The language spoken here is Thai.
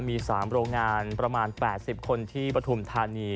มี๓โรงงานประมาณ๘๐คนที่ปฐุมธานี